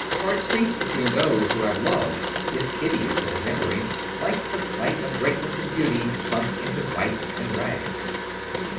Hard speech between those who have loved is hideous in the memory, like the sight of greatness and beauty sunk into vice and rags.